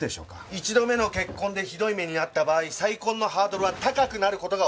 １度目の結婚でひどい目に遭った場合再婚のハードルは高くなる事が多いものです。